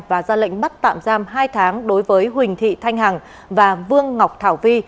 và ra lệnh bắt tạm giam hai tháng đối với huỳnh thị thanh hằng và vương ngọc thảo vi